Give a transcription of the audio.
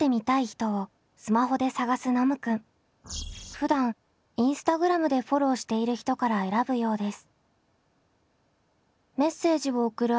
ふだんインスタグラムでフォローしている人から選ぶようです。